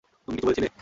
তুমি কিছু বলেছিলে?